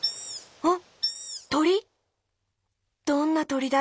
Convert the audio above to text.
あっ。